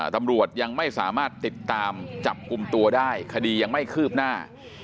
ตำรวจยังไม่สามารถติดตามจับกลุ่มตัวได้คดียังไม่คืบหน้า